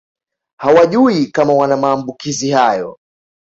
Hawajui kama wana maambukizi hayo